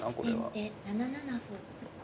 先手７七歩。